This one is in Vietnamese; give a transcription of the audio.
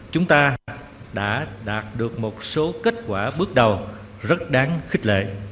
chúng ta đã đạt được một số kết quả bước đầu rất đáng khích lệ